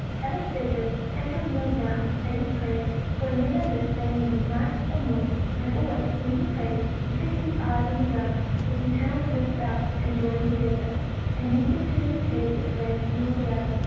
Having said this Fatal kneeled down to say his prayers, for he never missed saying them night or morning, and always, when he prayed, he fixed his eyes on the ground, with his hands lifted up and joined together, and neither turned his head this way nor the other.